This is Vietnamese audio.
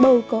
bầu có mũi